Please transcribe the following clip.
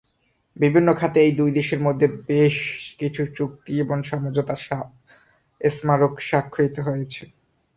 বিভিন্ন খাতে এই দুই দেশের মধ্যে বেশ কিছু চুক্তি এবং সমঝোতা স্মারক সাক্ষরিত হয়েছে।